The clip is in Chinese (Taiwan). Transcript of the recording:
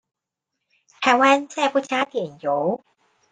台灣再不加點油